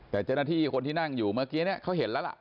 แต่เจ้าหน้าที่คนที่นั่งอยู่เมื่อกี้เนี่ยเขาเห็นแล้วล่ะ